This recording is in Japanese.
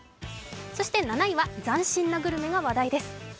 そして７位は斬新なグルメが話題です。